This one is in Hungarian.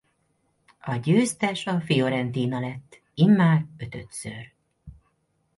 A győztes a Fiorentina lett immár ötödször.